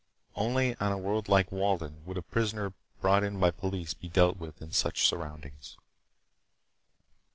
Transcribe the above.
Only on a world like Walden would a prisoner brought in by police be dealt with in such surroundings.